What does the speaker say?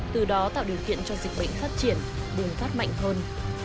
từ đó tạo điều kiện cho dịch bệnh phát triển bùng phát mạnh hơn